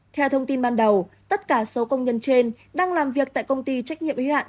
theo thông tin ban đầu tất cả số công nhân trên đang làm việc tại công ty trách nhiệm y hạn